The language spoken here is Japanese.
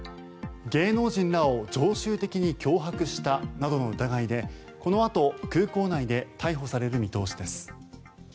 芸能人らを常習的に脅迫したなどの疑いでこのあと空港内で逮捕される見通しです。